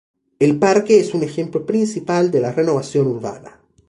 El parque es un ejemplo principal de la renovación urbana.